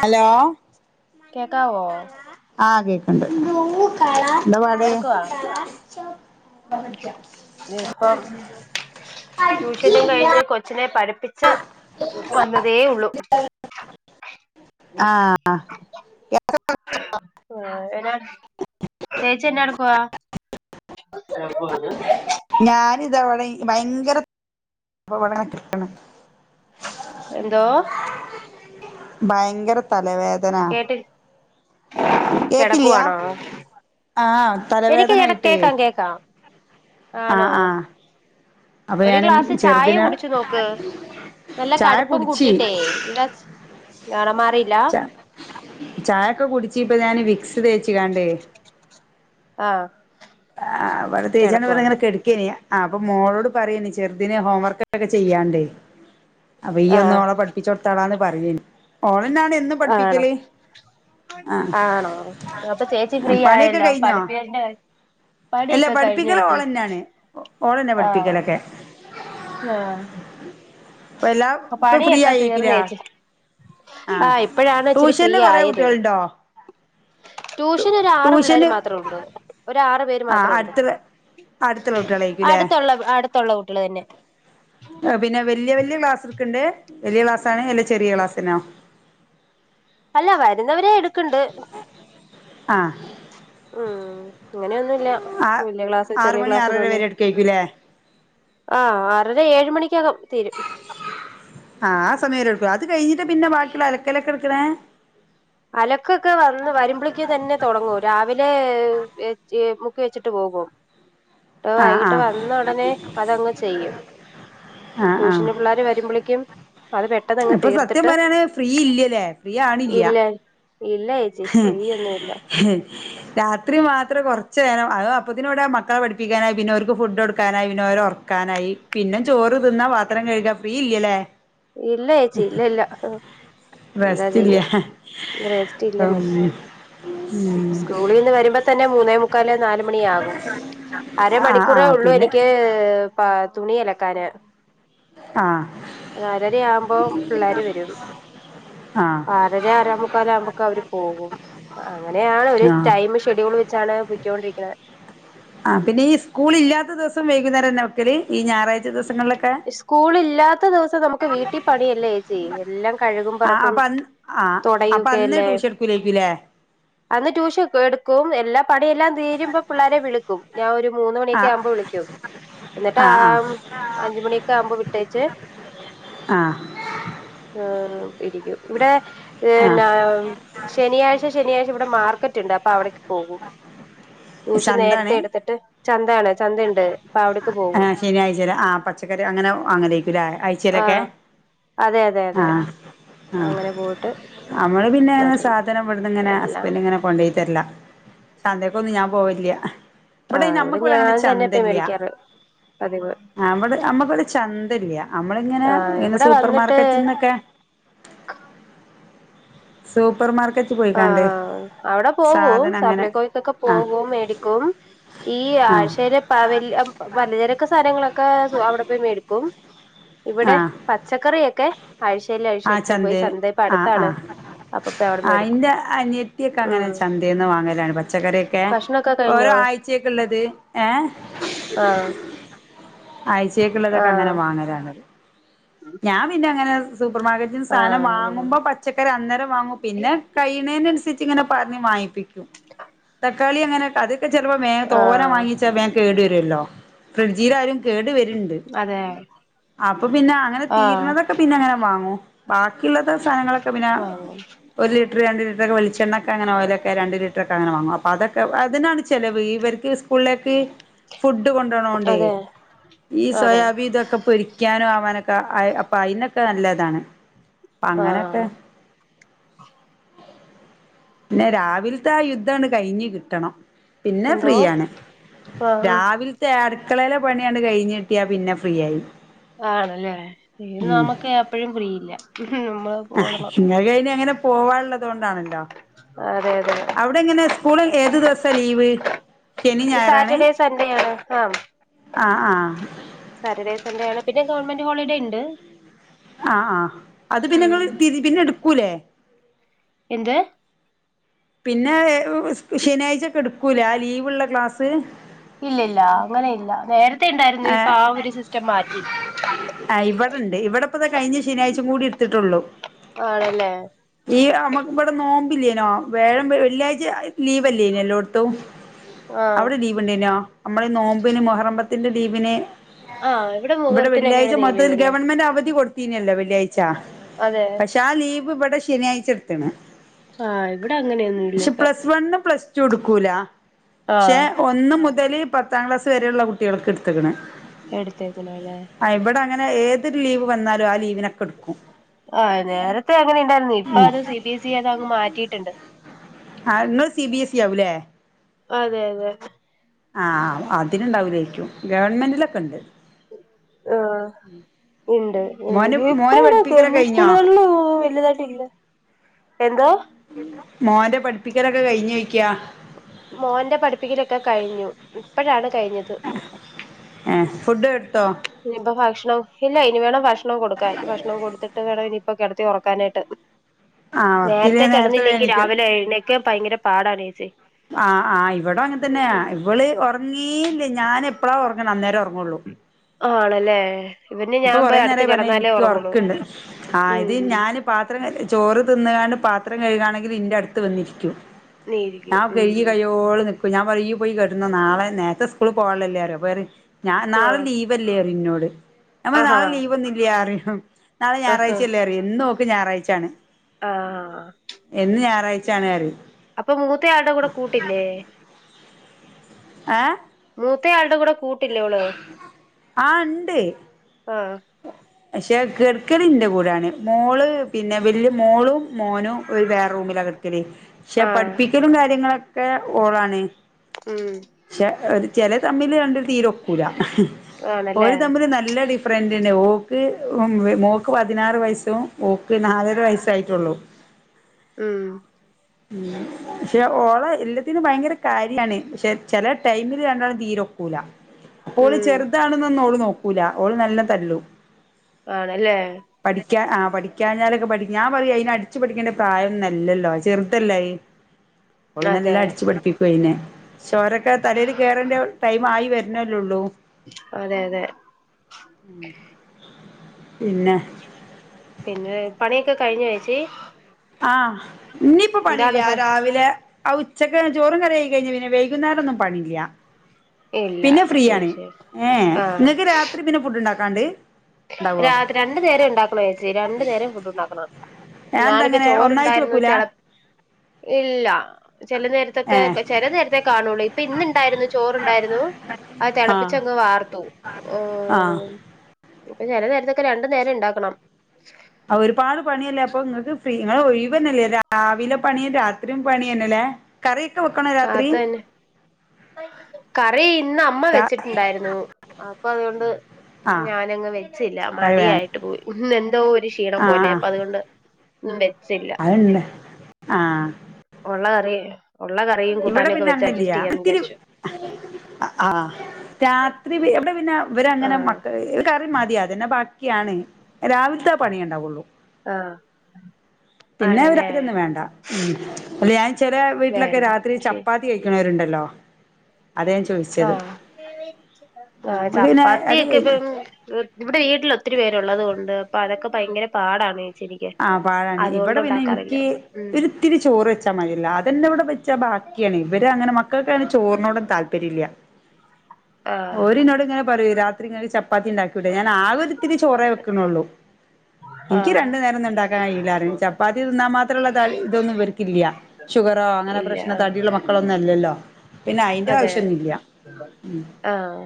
Hello കേക്കാവോ ആ കേക്ക്ണ്ട്. ന്ത പാട്? എന്നാടുക്കുവാ പ്പം ട്യൂഷനും കഴിഞ്ഞ് കൊച്ചിനെ പഠിപ്പിച്ച് വന്നതേ യുള്ളു. ആ അ യെത്ര കുട്ടിയോളാ? ചേച്ചി ന്നെട പോകാ? [inaudible] പോകാനാ? ഞാനി തവടെ ഭയെങ്കര പ്പ [unintelligible] വ്ടെ കടക്കാണ്. എന്തോ ഭയങ്കര തലവേദന. കേക്കില്ല്യ കിടക്കവാണോ ആഹ് എനിക്കിടെ തലവേദനായിട്ടേ കേക്കാം കേക്കാം ആഹ് ആണോ ആഹ് അപ്പൊ ഒരു ഞാനും ഗ്ലാസ് ചായയെ ചെറുതിന് കുടിച്ചു നോക്ക് നല്ല ചായ കടുപ്പം കുടിച്ചി കൂട്ടിട്ടേ [unintelligible] ച ചായൊക്കെ കുടിച്ച് ഇപ്പ ഞാൻ വിക്സ് തേച്ചികണ്ടേ ആഹ് ആ അവിടെ തേച്ചാണ്ട ഇവിടെ കിടക്കുവാണ് ഇങ്ങനെ കെടക്കേനി ആപ്പൊ മോളോട് പറയന്ന് ചെറുദിനെ ഹോംവർക്ക് ഒക്കെ ചെയ്യാണ്ടേ അപ്പൊ ഈ ഒന്ന് ആഹ് ഓള് പഠിപ്പിച്ചു കൊടുത്താളാന്ന് പറഞ്ഞ് ഓളന്നാണ് എന്നും ആണോ പഠിപ്പിക്കല് ആ ആണോ അപ്പൊ ചേച്ചി ഫ്രീ പണിയൊക്കെ ആയല്ലോ കഴിഞ്ഞോ പഠിപ്പ- അല്ല പണിയൊക്കെ കഴിഞ്ഞോ പഠിപ്പിക്കല് ചേച്ചി ഓളന്നാണ് ഓളന്നെ ആഹ് പഠിപ്പിക്കലൊക്കെ ആഹ ഇപ്പ എല്ലാം ഇപ്പൊ ഫ്രീ പണിയൊക്കെ ആയേക്കൂലേ തീർന്നേച്ചി ആ ആഹ് ഇപ്പഴാണ് ഇച്ചിരി ഫ്രീ ട്യൂഷന് കൊറേ ആയത് കുട്ടികളുണ്ടോ ട്യൂഷൻ ഒരു ആറ് പിള്ളേർ ട്യൂഷന് മാത്രമുള്ളൂ ഒരാറ് പേര് ആ മാത്രംണ്ട് അടുത്തുള്ള അടുത്തുള്ള കുട്ടികളായിരിക്കൂല്ലേ അടുത്തുള്ള അടുത്തുള്ള കുട്ടിള് തന്നെ പിന്നെ വല്യ വല്യ ക്ലാസ്ക്കണ്ട് വല്യ ക്ലാസ് ആണ് അല്ല ചെറിയ ക്ലാസ്സിനോ അല്ല വരുന്നവരെ എടുക്ക്ണ്ട് ആഹ് ഉം അങ്ങനെയൊന്നുമില്ല ആ വല്യ ക്ലാസ് ആറ് ചെറിയ മണി ആറര ക്ലാസ്ന്ന്ഒന്ന് വരെ എടുക്കായിരിക്കൂല്ലേ ആഹ് ആറര ഏഴ് മണിക്ക് ആഹ് സമയര് എടുക്ക അ അത് കഴിഞ്ഞിട്ട് പിന്നെ ബ അലക്കൊക്കെ വന്ന് വരുമ്പോഴേക്ക് തന്നെ തുടങ്ങൂ രാവിലെ മുക്കി വെച്ചിട്ട് പോകും ഇന്നീട് ആ വൈകിട്ട് ആ വന്ന ഉടനെ അതങ്ങ് ചെയ്യും ആഹ് ആഹ് ട്യൂഷന് പിള്ളേരെ വരുമ്പോളേക്കും അത് പെട്ടെന്ന് അങ്ങ് ഇപ്പൊ സത്യം തീർത്തിട്ട് പറയാണ് ഫ്രീ ഇല്ലല്ലേ ഇല്ല ഇല്ല ചേച്ചി ഹേ ഫ്രീ ഒന്നുമില്ല ഹേ രാത്രി മാത്രം കുറച്ച് നേരം അ അപ്പത്തിനൂടെ മക്കളെഠപ്പിക്കാനായി പിന്നെ ഒരിക്ക് ഫുഡ് കൊടുക്കാനായി പിന്നെ അവരെറ - ക്കാനായി പിന്നും ചോറ് തിന്നാ പാത്രം കഴുകാ ഫ്രീ ഇല്ലല്ലേ ഇല്ല ചേച്ചി ഇല്ല ഇല്ല എന്താ ചെയ്യാ റെസ്റ്റിൽ- ആം സ്കൂളിൽ നിന്ന് വരുമ്പോ തന്നെ മൂന്നേ മുക്കാല് നാലുമണിയ ആകും ആഹ് അരമണിക്കൂറേ ആഹ് ഉള്ളു പിന്നെ എനിക്ക് പ തുണി അലക്കാന് ആഹ് നാലര ആവുമ്പോ പിള്ളാര് വരും ആഹ് ആറരാ ആറേമുക്കാല് ആകുമ്പോക്കെ അവര് പോകും അങ്ങനെയാണ് ഒരു ആഹ് ടൈം ഷെഡ്യൂൾ വെച്ചാണ് പോയിക്കൊണ്ട് ഇരിക്കണത് ആഹ് പിന്നെ -ളി ല് ഞായറഴ്ച ദുസ- സ്കൂളില്ലാത്ത ദിവസം നമുക്ക് വീട്ടിൽ പണിയല്ലേ ചേച്ചി എല്ലാം കഴുകും പറക്കും ആഹ അപ്പൊ തുടയൊക്കെ അന്ന് അല്ലേ ട്യൂഷൻ എടുക്കുലേരിക്കുല്ലേ അന്ന് ട്യൂഷൻ എടുക്കും എല്ലാ പണിയെല്ലാം തീരുമ്പോ പിള്ളേരെ വിളിക്കും ഞാൻ ഒരു മൂന്ന് മണിയൊക്കെ ആഹ് ആവുമ്പോ വിളിക്കും എന്നിട്ട് ആഹ് ആ അഞ്ച്മണിയൊക്കെ ആവുമ്പോൾ വിട്ടേച്ച് ആഹ് ആഹ് ആം ഇരിക്കും ഇവിടെ ആഹ് എന്നാ ശനിയാഴ്ച ശനിയാഴ്ച ഇവിടെ മാർക്കറ്റ് ഉണ്ട് അപ്പൊ അവിടേക്ക് പോകും [inaudible] ട്യൂഷൻ നേരത്തെ ചന്താണ് എടുത്തിട്ട് ചന്തയാണ് ചന്തഇണ്ട് അപ്പ അവിടേക്ക് പോകും ആഹ് ശനിയാഴ്ചയില് ആഹ് പച്ചക്കറി അങ്ങനെ അങ്ങനെവാങ്ങാകരിക്കുംല്ലേ ആ അയച്ചയിലൊക്കെ അതെ അതെ അതെ ആഹ് ആ അങ്ങനെ പോയിട്ട് നമ്മള് പിന്നെ വരും സാധനം ഇടുന്നങ്ങനെ എല്ലാം ഹസ്ബൻന്റ് ഇങ്ങനെ കൊണ്ട് - തർലാ ചന്തക്കൊന്നും ഞാൻ പോവില്ല ആ ഇവിടെ നമ്മുക്കിവിടെ അങ്ങനെ ഞാൻ തന്നെ ഇപ്പ ചന്തയില്ല മേടിക്കാറ് പതിവ് അവിടെ നമ്മക്ക് ഇവിടെ ചന്തയില്ല നമ്മള ആ ഇങ്ങനെ ഇവിടെ വന്നിട്ട് സൂപ്പർമാർക്കറ്റന്നൊക്കെ [inaudible] സോ ആഹ അവിടെ പോകും സാധനം അങ്ങനെ സപ്ലൈക്കോക്കൊ ആഹ് പോകും, മേടിക്കും. ഈ ആഹ് ആഴ്ചയിൽ പ വലിയ പലചരൊക്കെ സാധനങ്ങളൊക്കെ അവിടെ പോയി മേടിക്കും ഇവിടെ ആഹ് പച്ചക്കറിയൊക്കെ ആഴ്ചയില് ആഹ് ആഴ്ചേൽ പോയി, ചന്തേ ചന്തപ്പൊ ആഹ് അടുത്താണ് ആഹ് അപ്പൊപ്പ ആ എവിടെമേടിക്കും ഇന്റെ അനിയത്തിയൊക്കെ അങ്ങനെ ചന്തേന്ന് വാങ്ങലാണ് പച്ചക്കറിയൊക്കെ ഭക്ഷണൊക്കെ ഓരോ കഴിഞ്ഞോ ആഴ്ചയൊക്ക ഉള്ളത്. ഏഹ് ഒ ആഴ്ചേക്കുള്ളതൊക്കെ അങ്ങനെ വാങ്ങലാണത്, ഞാൻ പിന്നെ അങ്ങനെ സൂപ്പർ മാർക്കറ്റിന്ന് സാനം വാങ്ങുമ്പോ പച്ചക്ക അന്നരം വാങ്ങും പിന്നെ ആഹ് കഴ്ണയ്നനുസരിച്ച് ഇങ്ങനെ പറഞ് വാങ്ങിപ്പിക്കും തക്കാളി അങ്ങനെ അതൊക്കെ ചെലെപ്പോ തോനെ വാങ്ങിച്ചാൽ കേട് വരുമല്ലോ ഫ്രിഡ്ജൽ ആയാലും കേട് വരുണ്ട് അതെ അപ്പൊ പിന്നെ അങ്ങനെ ആഹ് അതെ ആഹ് തീര്ണതൊക്കെ പിന്നെ അങ്ങനെ വാങ്ങു ബാക്കിയുള്ളത് സാധനങ്ങളൊക്കെ പിന്നെ ആഹ് ഒരു ലിറ്റർ രണ്ട് ലിറ്ററൊക്കെ വെളിച്ചെണ്ണ അങ്ങനെ ഓയിലൊക്കെ രണ്ട് ലിറ്ററൊക്കെ അങ്ങനെ വാങ്ങും അപ്പൊ അതൊക്കെ അതിനാണ് ചിലവ്, ഇവർക്ക് സ്കൂളിലേക്ക് ഫുഡ് കൊണ്ടുണോണ്ടേ അതെ ഈ അതെ സോയാബി ഇതൊക്കെ പൊരിക്കാനും ആവാനൊക്കെ അപ്പൊ അയിനൊക്കെ ഒക്കെ നല്ലതാണ് അ അങ്ങനെയൊക്കെ ആഹ പിന്നെ രാവിലത്തെ ആ യുദ്ധഅങ്ങട് കഴിഞ് കിട്ടണം. പിന്നെ എന്തോ ഫ്രീയാണ് ആഹ് രാവിലത്തെയാണ് അടുക്കളയിലെ പണിയാങ്ങട് കഴിഞ്ഞ കിട്ടിയാ പിന്നെ ഫ്രീ ആയി ആണല്ലേ, നമുക്ക് അപ്പോഴും ഫ്രീയില്ല നമ്മള് ഓടണം ഇങ്ങ്ക് അയിന് അങ്ങനെ പോവാനുള്ളത് കൊണ്ടാണല്ലോ? അതെ അതെ അവിടെ ഇങ്ങനെ സ്കൂളിൽ ഏത് ദിവസാ ലീവ്? ശനി ഞായറാണ് സാറ്റർഡേ സൺഡേ ആണ് ആ ആഹ് ആഹ് സാറ്റർഡേ എന്താണ് പിന്നെ ഗവൺമെന്റ് ഹോളിഡേ ഉണ്ട് ആ ആഹ അത് പിന്നെ ങ്ങൾ ഉം അത് പിന്നെ എടുക്കൂലേ? എന്ത് പിന്നെ ശനിയാഴ്ചക്കെ എടുക്കൂല ആ ലീവുള്ള ക്ലാസ് ഇല്ല ഇല്ല അങ്ങനെ ഇല്ല നേരത്തെ ഉണ്ടായിരുന്നു ഇപ്പൊ ഏഹ് ആ ഒരു സിസ്റ്റം മാറ്റി ആ ഇവിടെണ്ട് ഇവിടെ ഇപ്പാ കഴിഞ്ഞ ശനിയഴ്ച കൂടി ഇടുത്തിട്ടൊള്ളു, ആണല്ലേ ഈ നമ്മുക്ക് ഇവിടെ നോമ്പ് ല്ലേനോ വ്യാഴം വെള്ളിയാഴ്ച ലീവ് ല്ലേനോ എല്ലാടത്തും ആഹ് അവിടെ ലീവ് ഉണ്ടെനോ നമ്മള ഈ നോമ്പിന് മുഹറം പത്തിന്റെ നോമ്പിന് ആഹ് ഇവിടെ മുഹൂർത്തിനൊക്കെ വെള്ളിയാഴ്ച നീ മൊത്തത്തിൽ ലീവുണ്ട് ഗവൺമെന്റ് അവധി കൊടുത്ത നല്ലോ വെള്ളിയാഴ്ചാ അതെ പക്ഷെ ആ ലീവ് ഇവിടെ ശനിയാഴ്ച എടുത്ണ് ആഹ് ഇവിടെ അങ്ങനെയൊന്നുംല്ല പക്ഷെ ഇപ്പൊ പ്ലസ് വണ്, പ്ലസ് ടു എടുക്കൂല ശേ, ആഹ് ഒന്ന് മുതൽ തിൽ പത്താം ക്ലാസ് വരെയുള്ള കുട്ടികൾക്ക് എടുത്തിക്ണ്, എടുത്തേക്കണല്ലേ ഇവിടെ അങ്ങനെ ഏത് ലീവ് വന്നാലും, ആ ലീവ് ആ നേരത്തെ അങ്ങനെ ഇണ്ടായിരുന്നു ഇപ്പ അത് സി ബി എസ് ഇ അത് അങ്ങ് മാറ്റിയിട്ടുണ്ട്. ആ ഇങ്ങള് സി ബി എസ് ഇ ആവൂലേ അതെ അതെ ആംഅതിനുണ്ടാവില്ലേക്കും ഗവൺമെന്റിലൊക്കെ ഉണ്ട് ആ ഉണ്ട് ഏ മോന് ഇപ്പൊ മോന് എവിട പഠിപ്പിക്കലൊക്കെ ഗവൺമെന്റ് കഴിഞ്ഞോ സ്കൂളുകളിലോ വലുതായിട്ടല്ല, എന്തോ മോന്റെ പഠിപ്പിക്കലൊക്കെ കഴിഞ്ഞോ യ്കാ മോൻന്റെ പഠിപ്പിക്കലൊക്കെ കഴിഞ്ഞു ഇപ്പഴാണ് കഴിഞ്ഞത്...... ഫുഡ് എടുത്തൊ.... ഇനിയിപ്പ ഭക്ഷണം ഇല്ല ഇനി വേണം ഭക്ഷണം കൊടുക്കാൻ ഭക്ഷണം കൊടുത്തിട്ട് വേണ....... ഇപ്പൊ കിടത്തി ഉറക്കാനായിട്ട്....... ആ വർക്കില് നേരത്തെേ നേരത്തെ കിടന്നില്ലെങ്കി എണീക്കും രാവിലെ എഴുന്നേക്കെ ഭയങ്കര പാടാണ്സ്....... ആഹ് ആഹ് ഇവിട അങ്ങ തന്നെയാ ഇവള് ഉറങ്ങീയില്ലേ ഞാൻ എപ്പഴാ...... അന്നേരം ഒറങ്ങൊള്ളൂ...... ആണല്ലേ... ഇവന് ഇപ്പൊ ഞാൻ കൊറേ പോയി അടുത്ത് നേരമായി പറഞ്ഞ കിടന്നാലേ എനിക്ക് ഉറങ്ങുള്ളൂ ഉറക്കുണ്ട് ആ ഇത് ഉം ഞാൻ പാത്രം ക...... ചോറ് തിന്നുകാണ്ട് പാത്രം കഴുകയാണെങ്കിൽ ഇന്റെ അടുത്ത് വന്നിരിക്കും...... നീ ഇരിക്കും ഞാൻ ഉം കഴുകി കഴിയൊളം നി ഞാൻ പറയും പോയി കെടന്നൊ നാളെ നേരത്തെ സ്കൂള് പോകാനല്ലേരോഅപ്പൊ പറയും ഞ നാളെ ലീവല്ലേ..... നമ്മ ആഹ് ആഹാ നാളെ ലീവ് ഒന്നുമില്ല അറിയും നാളെ ആഹാ ഞായറാഴ്ചയല്ലേ അറിയ ഇന്ന് നോക്ക ഞായറാഴ്ചണ്..... ആഹ്..... ച്ചണറയും.. അപ്പൊ മൂത്തയാളുടെ കൂട്ടില്ലേ...... ഏ..... മൂത്തയാളുടെ കൂടെ കൂട്ടില്ലേോള് ആഹ് ഇണ്ട് ആ... പക്ഷെ കെടക്കൽന്റെ കൂടൊണ് മോള് പിന്നെ വല്യ മോളും മോനും ഒരു വേറ.... കേട്കൽ..... പക്ഷെ ആഹ് പഠിപ്പിക്കലും കാര്യങ്ങളൊക്കെ ഓളാണ് ഉം പക്ഷെ....... ചില തമ്മിൽ രണ്ട് തീരൊക്കൂല ഒരു ആണല്ലേ തമ്മിൽ നല്ല ഡിഫറൻറ്ണ്ട് ഓൾ...... ക്ക് മോക്ക് പതിനാറ് വയസ്സും ഓക്ക് നാലര വയസ്സയിട്ടുള്ളൂ....... ഉം..... [unintelligible] പക്ഷെ ഓള എല്ലാത്തിനും ഭയങ്കര കാര്യണ് പക്ഷെ ചെല ടൈമില് രണ്ടാളും തീരൊക്കൂല....... ഓള് ഉം ചെറുതാണെന്നൊന്നും ഓള് നോക്കൂല ഓള് നല്ലതല്ലു....... ആണല്ലേ...... ആ പഠിക്കാഴഞ്ഞാലൊക്കെ പഠി ഞൻ പറയും അയിന ല്ലായി അവള നല്ല അതെ അടിച്ചു പഠിപ്പിക്കു അയിനെ...... ചോരൊക്കെ തലേൽ കേറന്റെ ടൈം ആയി വരുന്നല്ലോള്ളൂ...... അതെ അതെ പിന്നെ. പിന്നെ പണിയൊക്കെ കഴിഞ്ഞ ചേച്ചി. ആഹ് ഇനിയിപ്പൊ എന്താണ് പണില്ല പ രാവിലെ.. ആ ഉച്ചക്ക് ചോറും കറി ആയി കഴിഞ്ഞു പിന്നെ വൈകുന്നേരം ഒന്നും പണില്ല. ഇല്ല പിന്നെ ശരി ഫ്രീയാണ് ശരി ഏ ആഹ് നിങ്ങക്ക് രാത്രി പിന്നെ ഫുഡ് ഉണ്ടാക്കാണ്ട്...... ഉണ്ടാവോ രാത് രണ്ടു നേരം ഉണ്ടാക്കണച്ചി രണ്ടു നേരം ഫുഡ് ഉണ്ടാക്കണം. അതെന്താ ഞാനിപ്പ അങ്ങനെ ഒന്നായിട്ട് ചോറണ്ടായിരുന്നു വെക്കൂല [unintelligible] ഇല്ല. ചില നേരത്തൊക്കെ ഏ ചില നേരത്തെ കാണുള്ളൂ ഇപ്പൊ ഇന്ന ഇണ്ടായിരുന്നു ചോറുണ്ടായിരുന്നു. അത് ആ തിളപ്പിച്ചങ്ങ് വാർത്തു ആ ഓഹ് അപ്പൊ ചില നേരത്തൊക്കെ രണ്ടു നേരം ഉണ്ടാക്കണം. ആ ഒരുപാട് പണിയല്ലേ അപ്പൊ നിങ്ങക്ക് ഫ്രീ നിങ്ങ ഒഴിവ തന്നല്ലേ രാവിലെ പണിയും രാത്രിയും പണി. കറി. അത തന്നെ കറി ഇന്ന അമ്മ വെച്ചിട്ടുണ്ടായിരുന്നു. അപ്പൊ അതുകൊണ്ട്. ആഹ് ഞാനങ്ങ് വെച്ചില്ല കറി വേണം മടിയായിട്ട് പോയി ഇന്ന് എന്തോ ഒരു ക്ഷീണം പോലെ അപ്പൊ അതുകൊണ്ട്. ഒന്നും വെച്ചില്ല അതെന്നെ ആഹ് ഉള്ള കറി ഉള്ള കറിയും ഇവിടെ കൂട്ടാനും ഒക്കെ പിന്നെ വെച്ച് അഡ്ജസ്റ്റ് അണ്ണില്ലയാ ചെയ്യാന്ന് ഒത്തിരി...... വിചാരിച്ചു ആഹ് രാത്രി എവിടെ പിന്നെ ഇവരെ അങ്ങനെ ആഹ് മക്ക കറി മതിയാതന്നെ ബാ..... [unintelligible] രാവിലത്തെ പണിയെ ഉണ്ടാവുള്ളു. ആഹ് പിന്നെ അവര് ആണല്ലേ അത്രൊന്നും വേണ്ട ഉ അല്ല ഞാൻ ചെില വീട്ടിലൊക്കെ വേണ്ട രാത്രി ശരി ചപ്പാത്തി കഴിക്ണവരുണ്ടല്ലോ? ചോദിച്ചത് ആ നമുക്ക് പിന്നെ അത് ചപ്പാത്തിയൊക്കെ കഴിഞ്ഞ് ഇപ്പം ഇവിടെ വീട്ടിൽ ഒത്തിരി പേരുള്ളത് കൊണ്ട് അപ്പൊ അതൊക്കെ ഭയങ്കര പാടാണെയ്. ആഹ് പാടാണ് ഇവിടെ പിന്നെ എനിക്ക് ഉം ഒരിത്തിരി ചോറ് വെച്ചാ മതി അതന്നെ ഇവിടെ വെച്ചാ ബ ഇവര് അങ്ങനെ മക്കൾക്കാണ് ചോറിനോടും താൽപര്യല്ല. ആഹ് ഓരിനോട് ഇങ്ങനെ പറയും രാത്രി ഇങ്ങെക്ക് ചപ്പാത്തി ഇണ്ടാ ഞൻ ആകെത്തിരി ചോറേ വെക്കണൊള്ളൂ എനിക്ക്‌ ആഹ് രണ്ടനേര ണ്ടൻ കഴല്ല ചപ്പാത്തി തിന്നാൽ മാത്രമ ഇതൊന്നും തടി ഷുഗറോ അനെ ഇല്ല പ്രശ്ന ആഹ് [unintelligible] മക്കളൊന്നും അല്ലല്ലോ പിന്നെ അയിന്റെ അതെ ആവിശ്യന്നുല്ല ഉ ആഹ്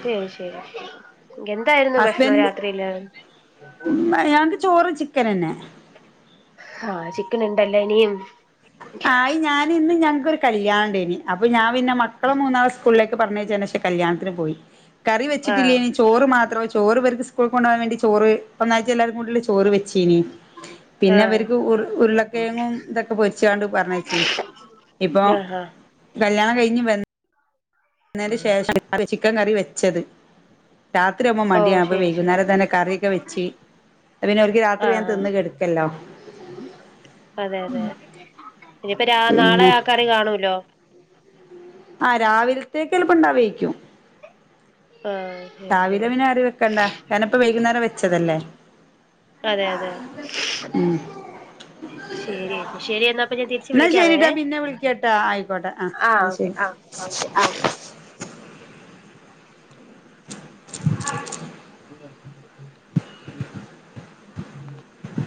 ശരി ശരി എന്തായിരുന്നു ഭക്ഷണം ഹസ്ബൻഡ് രാത്രിയില് ഞങ്ങക്ക് ചോറ് ചിക്കനെന്നെ. ആഹ് ചിക്കൻ ണ്ടല്ലോ ഇനിയും. ആയി ഞാനുംന്ന് ഞ ഞങ്ങക്കൊരു കല്യാണം ഉണ്ടായി നി അപ്പ ഞാൻ പിന്നെ മക്കെള മൂന്നാളെ സ്കൂളിലേക്ക് പറഞ്ഞഴച്ച ശേഷം കല്യാണത്തിന് പോയി. കറി ആഹ് വച്ചിട്ടില്ലേനി ചോറ് മാത്രോ ചോറ് പർക്ക് സ്കൂൾ കൊണ്ടോവാൻ വേണ്ട ചോറ് ഒന്നാഴ് എല്ലാരും കൂടുള്ള ചോറ്. വെു വെച്ചീനി പിന്നെ ആഹ് ഇവർക്ക് ഉരുളക്കിഴങ്ങും പൊരിച്ചാണ്ട് പറഞ്ഞയച്ചീനി ഇഞ്ഞ്പ്പോ ആഹ് കല്യാ അതിന് ശേഷം ചിക്കൻ കറി വെച്ചത്. രാത്രി ആവുമ്പോ ഓ മടിയാണ് അപ്പോ ശരി ശരി വൈകുനേരം തന്നെ കറിയൊക്കെ വെച്ച്. പിന്നെ ഒർക്ക് രാത്രി വേഗം ആഹ് തിന്ന് കെടക്കല്ലോ. അതെ അതെ ഇനിപ്പോ രാ നാളെ പിന്നെ ആ കറി കാണൂലോ? ആ രാവിലത്തേക്കപ്പം ഇണ്ടാ വേയിക്കും. ആഹ് ശരി രാവിലെ ശരി പിന്നെ കറി വെക്കണ്ട കാരണം പ്പം വൈകുന്നേരം വെച്ചതല്ലേ? അതെ അതെ ഉം ശരി ചേച്ചി ശരി എന്നാ അപ്പൊ ഞാൻ തിരിച്ച് എന്നാ വിളിക്കാവേ ശരിട്ടാ ഞാൻ പിന്നെ വിളിക്കട്ടാ ആയിക്കോട്ടെ ആഹ് എന്നാ ഓക്കെ ശരി. ആഹ് ഒക്കെ ആ [unintelligible]